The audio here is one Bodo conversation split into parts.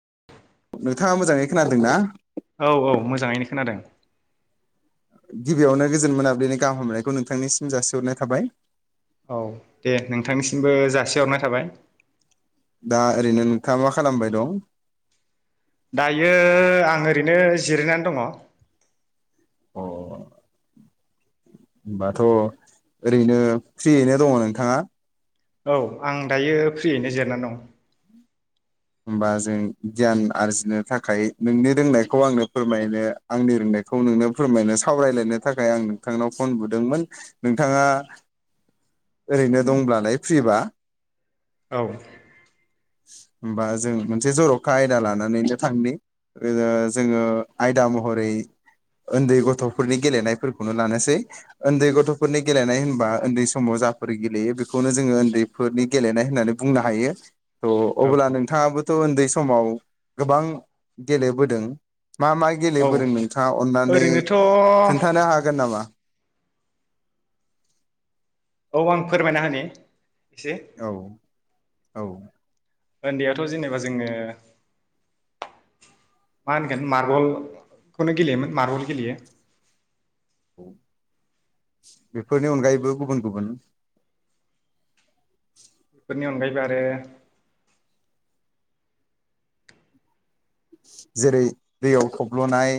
[inaudible] नोंथाङा मोजाङै खोनादों ना? औ औ मोजाङैनो खोनादों। गिबियावनो गोजोन मोनाब्ललिनि गाहाम हामनायखौ नोंथांनिसिम जासिहरनाय थाबाय। औ दे नोंथांनिसिमबो जासिहरनाय थाबाय। दा ओरैनो नोंथाङा मा खालामबाय दं? दायो आं ओरैनो जिरायनानै दङ। अ होनबाथ' ओरैनो फ्रियैनो दङ नोंथाङा। औ आं दायो फ्रियैनो जिरनानै दं। होमबा जों गियान आरजिनो थाखाय नोंनि रोंनायखौ आंनो फोरमायनो आंनि रोंनायखौ नोंनो फोरमायनो सावरायलायनो थाखाय आं नोंथांनाव फन बुदोंमोन नोंथाङा। ओरैनो दंब्लालाय फ्रिबा। औ होमबा जों मोनसे जर'खा आयदा लानानैनो थांनि ओ जोङो आयदा महरै उन्दै गथ'फोरनि गेलेनायफोरखौनो लानोसै उन्दै गथ'फोरनि गेलेनाय होनबा उन्दै समाव जा फोर गेलेयो बेखौनो जोङो उन्दैफोरनि गेलेनाय होननानै बुंनो हायो। थ' औ अब्ला नोंथाङाबोथ' उन्दैसो समाव गोबां गेलेबोदों। मा मा औ गेलेबोदों नोंथाङा अन्नानै ओरैनोथ' खोन्थानो हागोन नामा? औ आं फोरमायना होनि। एसे औ औ उन्दैयावथ' जेनेबा जोङो मा होनगोन मार्बलखौनो गेलेयोमोन मार्बल गेलेयो बेफोरनि अनगायैबो गुबुन गुबुन बेफोरनि अनगायैबो आरो जेरै दैयाव थब्ल'नाय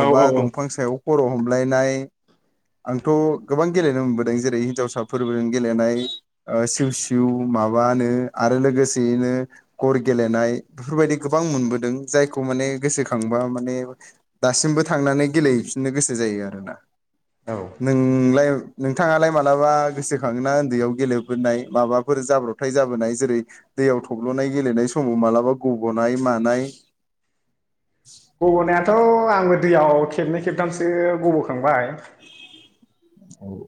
औ औ औ दंफां सायाव खर' हमलायनाय आंथ' गोबां गेलेनो मोनबोदों जेरै हिनजावसाफोरबों गेलेनाय सिउ सिउ माबानो आरो लोगोसेयैनो गर गेलेनाय बेफोरबायदि गोबां मोनबोदों। जायखौ माने गोसोखांबा माने दासिमबो थांनानै गेलेफिननो गोसो जायो आरोना। औ नोंलाय नोंथाङालाय मालाबा गोसोखाङोना उन्दैयाव गेलेबोनाय माबाफोर जाब्रबथाय जाबोनाय जेरै दैयाव थब्ल'नाय गेलेनाय समाव मालाबा गब'नाय मानाय। गब'नायाथ थ' आंबो दैयाव खेबनै खेबथामसो गब'ख खांबाय।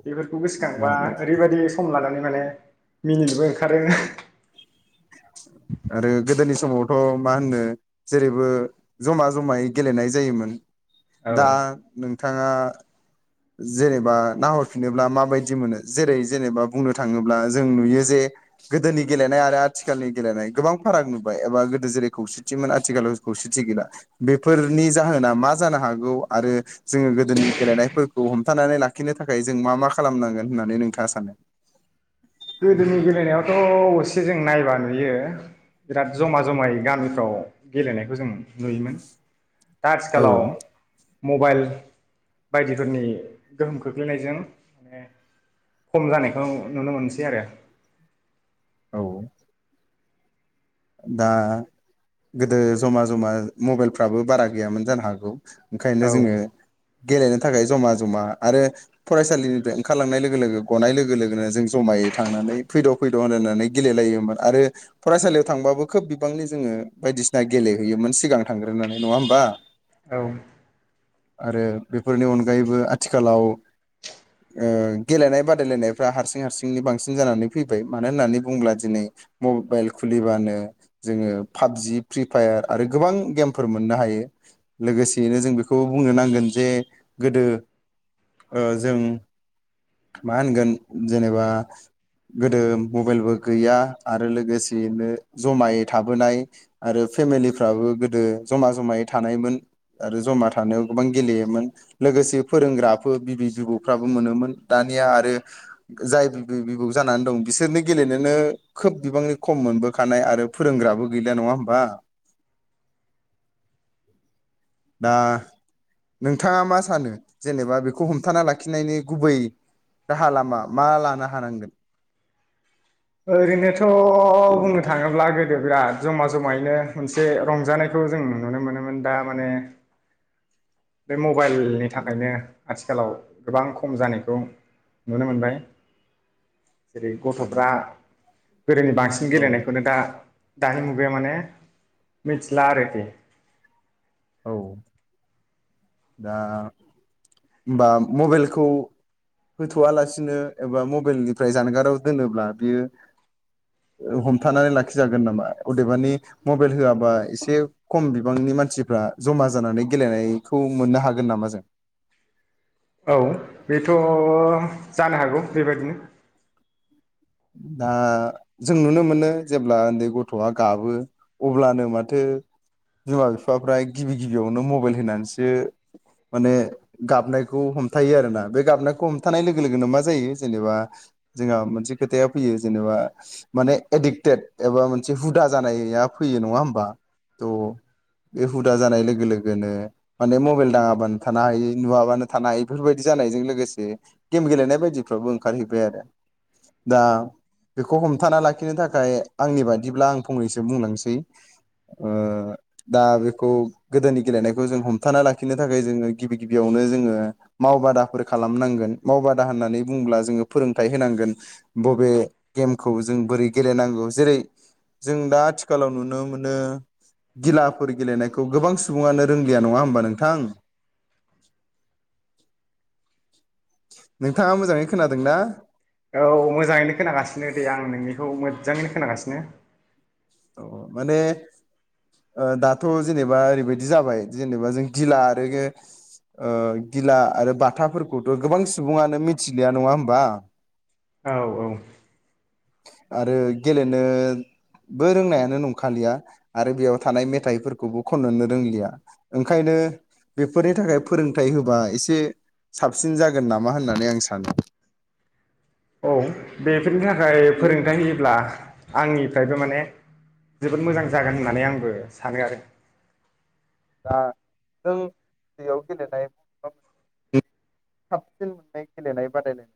बेफोरखौ गोसोखांबा ओरैबायदि सम लानानै माने मिनिनोबो ओंखारो ओह। आरो गोदोनि समावथ' मा होननो जेरैबो ज'मा ज'मायै गेलेनाय जायोमोन। दा नों थाङा जेनेबा नाहरफिनोब्ला माबायदि मोनो? जेरै जेनेबा बुंनो थाङोब्ला जों नुयो जे गोदोनि गेलेनाय आरो आथिखालनि गेलेनाय गोबां फाराग नुबाय एबा गोदो जेरै खौसेथिमोन आथिखालाव खौसेथि गैला बेफोरनि जाहोना मा जानो हागौ आरो जोङो गोदोनि गेलेनाय फोरखौ हमथानानै लाखिनो थाखाय जों मा मा खालामनांगोन होननानै नोंथाङा सानो? गोदोनि गेलेनायावथ' असे जों नायबा नुयो बिराद ज'मा ज'मायै गामिफ्राव गेलेनायखौ जों नुयोमोन। दा औ आथिखालाव मबाइल बायदिफोरनि गोहोम खोख्लैनायजों माने खम जानायखौ नुनो मोनस सै आरो। औ। दा गोदो ज'मा ज'मा मबाइलफ्राबो बारा गैयामोन जानो हागौ। ओंखायनो औ जोङो गेलेनो थाखाय ज'मा ज'मा आरो फरायसालिनिफ्राय ओंखारलांनाय लोगो लोगो गनाय लोगो लोगोनो जों ज'मायै थांनानै फैद' फैद' होनलायनानै गेलेलायोमोन आरो फरायसालियाव थांबाबो खोब बिबांनि जोङो बायदिसिना गेलेहैयोमोन सिगां थांग्रोनानै। नङा होमबा? औ। आरो बेफोरनि अनगायैबो आथिखालाव ओ गेलेनाय बादायलायनायफ्रा हारसिं हारसिंनि बांसिन जानानै फैबाय मानो होननानै बुंब्ला दिनै मबाइल ख खुलिबानो जोङो पाबजि, फ्रि फायार आरो गोबां गेमफोर मोननो हायो। लोगोसेयैनो जों बेखौ बुंनो नांगोन जे गोदो ओ जों मा होनगोन जेनेबा गोदो मबाइलबो गैया आरो लोगोस सेयैनो जमायै थाबोनाय आरो फेमिलिफ्राबो गोदो ज'मा ज'मायै थानायमोन आरो ज'मा थानायाव गोबां गेलेयोमोन लोगोसे फोरोंग्राफो बिबै-जिबौफ्राबो मोनोमोन। दानिया आरो जाय बिबै-बिबौ जानानै दं बिसोरनो गेलेनोनो खोब बिबांनि खम मोनबोखानाय आरो फोरोंग्राबो गैलिया नङा होमबा? [inaudible] दा नोंथाङा मा सानो जेनेबा बेखौ हमथाना लाखिनायनि गुबै राहा लामा मा लानो हानांगोन? ओरैनो थ थ' बुंनो थाङोब्ला गोद दो बिराद ज'मा ज'मायैनो मोनसे रंजानायखौ जों नुनो मोनोमोन दा माने बे मब बाइलनि थाखायनो आथिखालाव गोबां खम जानायखौ नुनो मोनबाय। जेरै गथ'फ्रा गोदोनि बांसिन औ गेलेनायखौनो दा दानि मुगाया माने मिथिला आरोखि औ। दा होनबा मबाइलखौ होथ'आलासिनो एबा मबाइलनिफ्राय जानगाराव दोनोब्ला बियो हमथानानै लाखिजागोन नामा अदेबानि मबाइल होआबा एसे खम बिबांनि मानसिफ्रा जमा जानानै गेलेनाय खौ मोननो हागोन नामा जों? औ बेथ' जानो हागौ बेबायदिनो। दा जों नुनो मोनो जेब्ला उन्दै गथ'आ गाबो अब्लानो माथो बिमा बिफाफ्रा गिबि गिबियावनो मबाइल होनानैसो माने गाबनायखौ हमथायो आरोना बे गाबनायखौ हमथानाय लोगो लोगोनो मा जायो जेनेबा जोंहा मोनसे खोथाया फैयो जेनेबा माने एडिक्टेड एबा मोनसे हुदा जानाया फैयो नङा होमबा थ' बे हुदा जानाय लोगो लोगोनो माने मबाइल नाङाबानो थानो हाय नुवाबानो थानो हायो बेफोरबायदि जानायजों लोगोसे गेम गेलेनाय बायदिफ्रावबो ओंखारहैबाय आरो। दा बेखौ हमथाना लाखिनो थाखाय आंनि बादिब्ला आं फंनैसो बुंलांसै ओ दा बेखौ गोदोनि गेलेनायखौ जों हमथाना लाखिनो थाखाय जोङो गिबि गिबियावनो जोङो मावबादाफोर खालामनांगोन मावबादा होननानै बुंङोब्ला जोङो फोरोंथाइ होनांगोन। बबे गेमखौ जों बोरै गेलेनांगौ जेरै जों दा आथिखालाव नुनो मोनो गिलाफोर गेलेनायखौ गोबां सुबुङानो रोंलिया नङा होमबा नोंथां नोंथाङा मोजाङै खोनादोंना? औ मोजाङैनो खोनागासिनो दे आं नोंनिखौ। मोजांङैनो खोनागासिनो अ माने दाथ' जेनेबा ओरैबायदि जाबाय जेनेबा जों गिला आरो ओ गिला आरो बाथाफोरखौथ' गोबां सुबुङानो मिथिलिया नङा होनबा औ औ आरो गेलेनो बो रोंनायानो नंखालिया आरो बेयाव थानाय मेथाइफोरखौबो खननोनो रोंलिया ओंखायनो बेफोरनि थाखाय फोरोंथाइ होबा एसे साबसिन जागोन नामा होननानै आं सानो औ बेफोरनि थाखाय फोरोंथाय‌ होयोब्ला आंनिफ्रायबो माने जोबोद मोजां जागोन होननानै आंबो सानो आरो दा जों बेयाव गेलेनाय बबेबा मोन साबसिन मोननाय गेलेनाय बादायलायनाय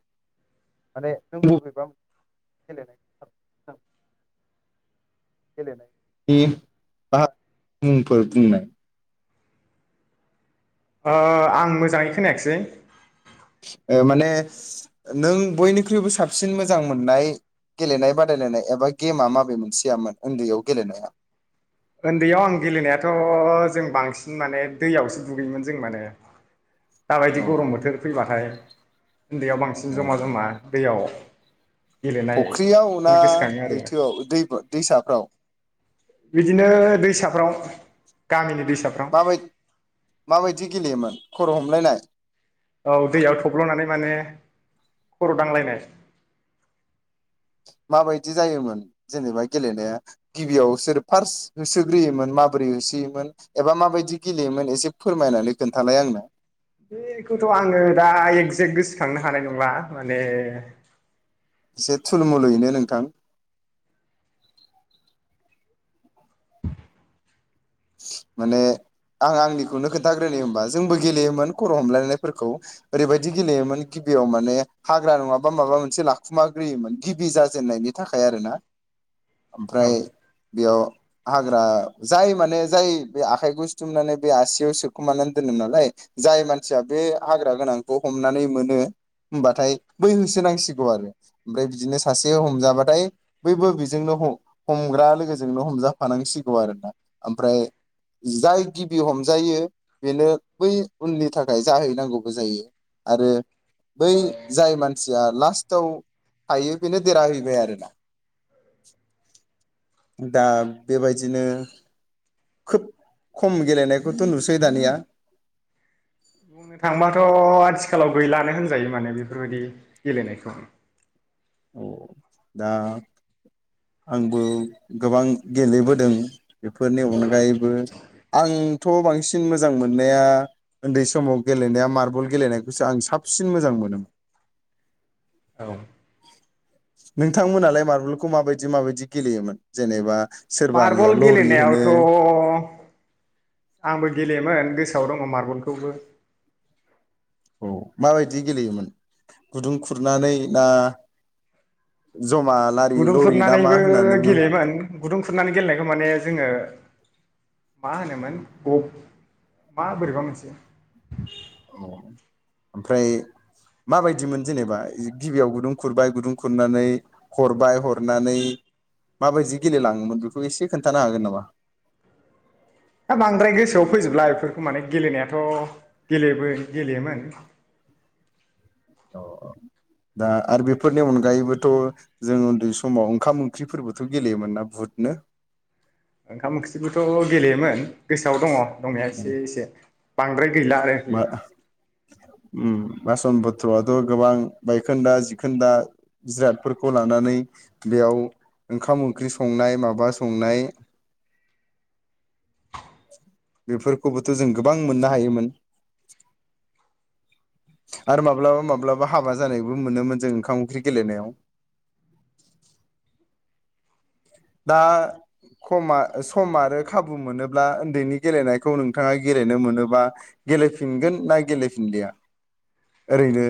माने नों बबेबा मोनसे गेलेनाय साबसिन गेलेनायनि बा मुंफोर बुंनाय आं मोजाङै खोनायाखिसै माने नों बयनिख्रुइबो साबसिन मोजां मोननाय गेलेनाय बादायलायनाय एबा गेमा माबे मोनसेयामोन उन्दैयाव गेलेनाया? उन्दैयाव आं गेलेनायाथ' जों बांसिन माने दैयावसो दुगैयोमोन जों माने दाबायदि औ गरम बोथोर फैबाथाय उन्दैयाव बांसिन औ जमा जमा दैयाव फुख्रियाव ना गेलेनायखौनो गोसोखाङो आरो लैथोआव दै दैसाफ्राव बिदिनो दैसाफ्राव गामिनि दैसाफ्राव माब माबायदि गेलेयोमोन खर' हमलायनाय? औ दैयाव थब्ल'नानै माने खर' दांलायनाय माबायदि जायोमोन जेनेबा गेलेनाया गिबियाव सोर फार्स्ट होसोग्रोयोमोन माबोरै होसोयोमोन एबा माबायदि गेलेयोमोन एसे फोरमायनानै खोन्थालाय आंनो बेखौथ' आङो दा एगजेक्ट गोसोखांनो हानाय नंला माने एसे थुलमुलुयैनो नोंथां माने आं आंनिखौनो खोन्थाग्रोनो होमबा जोंबो गेलेयोमोन खर' हमलायनायफोरखौ ओरैबायदि गेलेयोमोन गिबियाव माने हाग्रा नङाबा माबा मोनसे लाखुमाग्रोयोमोन गिबि जाजेननायनि थाखाय आरो ना ओमफ्राय औ बेयाव हाग्रा जाय माने जाय बे आखाइखौ सुथुमनानै बे आसियाव सोखुमानानै दोनोम नालाय जाय मानसिया बे हाग्रा गोनांखौ हमनानै मोनो होमबाथाय बै होसोनांसिगौ आरो ओमफ्राय बिदिनो सासे हमजाबाथाय बैबो बेजोंनो हमग्रा लोगोजोंनो हमजाफानांसिगौ आरोना ओमफ्राय जाय गिबि हमजायो बेनो बै उननि थाखाय जाहैनांगौबो जायो आरो बै जाय मानसिया लास्टआव थायो बिनो देराहैैबाय आरोना दा बेबायदिनो खोब खम गेलेनायखौथ' नुसै दानिया बुंनो थांबाथ' आथिखालाव गैलानो होनजायो माने बेफोरबायदि गेलेनायखौ औ दा आंबो गोबां गेलेबोदों बेफोरनि अनगायैबो आं थ' बांसिन मोजां मोननाया उन्दै समाव गेलेनाया मार्बल गेलेनायखौसो आं साबसिन मोजां मोनोमोन अ नोंथांमोनालाय मारबलखौ माबायदि माबायदि गेलेयोमोन जेनेबा सोरबानिया मार्बल लरि होनो गेलेनायावथ' आंबो गेलेयोमोन गोसोआव दङ मार्बलखौबो औ माबायदि गेलेयोमोन गुदुं खुरनानै ना जमा लारि गुदुं लरि ना मा खुरनानैबो होननानै बुङो गेलेयोमोन गुदुं खुरनानै गेलेनायखौ माने जोङो मा होनोमोन ब मा बोरैबा मोनसे ओमफ्राय माबायदिमोन जेनेबा गिबियाव गुदुं खुरबाय गुदुं खुरनानै हरबाय हरनानै माबायदि गेलेलाङोमोन बेखौ एसे खोन्थानो हागोन नामा दा बांद्राय गोसोआव फैजोबला बेफोरखौ माने गेलेनायाथ' गेलेबो गेलेयोमोन औ औ दा आरो बेफोरनि अनगायैबोथ' जों उन्दै समाव ओंखाम ओंख्रिफोरबोथ' गेलेयोमोनना बुहुदनो ओंखाम ओंख्रिबोथ' गेलेयोमोन गोसोआव दङ दंनाया एसे एसे बांद्राय गैला आरो मा उम बासन बत्रआथ' गोबां बायखोन्दा जिखोन्दा जिरादफोरखौ लानानै बेयाव ओंखाम ओंख्रि संनाय माबा संनाय बेफोरखौबोथ' जों गोबां मोननो हायोमोन [unintelligible] आरो माब्लाबा माब्लाबा हाबा जानायबो मोनोमोन जों ओंखाम ओंख्रि गेलेनायाव दा खमा सम आरो खाबु मोनोब्ला उन्दैनि गेलेनायखौ नोंथाङा गेलेनो मोनोबा गेलेफिनगोन ना गेलेफिनलिया ओरैनो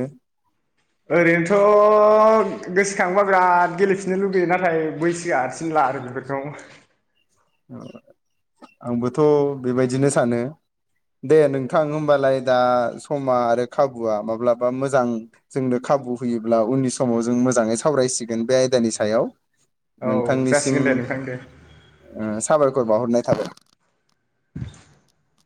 ओरैनोथ' गोसोखांबा बिराद गेलेफिननो लुगैयो नाथाय बैसोआ थिनला आरो बेफोरखौ आंबोथ' बेबायदिनो सानो दे नोंथां होमबालाय दा समा आरो खाबुआ माब्लाबा मोजां जोंनो खाबु होयोब्ला उननि समाव जों मोजाङै सावरायसिगोन बे आयदानि सायाव औ नोंथांनिसिम जासिगोन दे नोंथां दे ओ साबायखर बावहरनाय थाबाय [unintelligible]